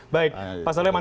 baik pak soleman